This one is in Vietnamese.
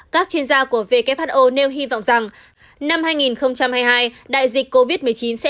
các chuyên gia của who nêu hy vọng rằng năm hai nghìn hai mươi hai đại dịch covid một mươi chín sẽ